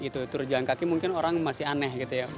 turun jalan kaki mungkin orang masih aneh gitu ya